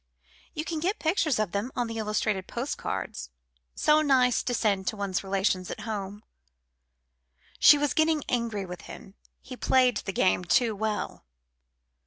"You can get pictures of them on the illustrated post cards. So nice to send to one's relations at home." She was getting angry with him. He played the game too well.